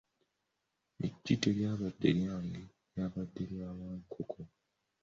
Eggi teryabadde lyange, lyabadde lya Wankoko,